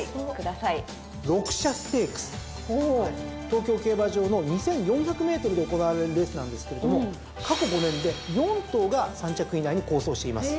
東京競馬場の２，４００ｍで行われるレースなんですけれども過去５年で４頭が３着以内に好走しています。